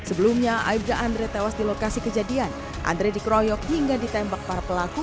sebelumnya aibda andre tewas di lokasi kejadian andre dikeroyok hingga ditembak para pelaku